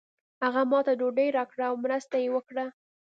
هغه ماته ډوډۍ راکړه او مرسته یې وکړه.